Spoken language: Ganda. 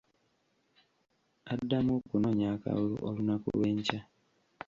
Addamu okunoonya akalulu olunaku lw’enkya.